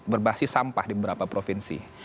berbasis sampah di beberapa provinsi